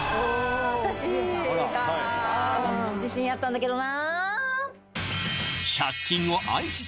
私か自信あったんだけどな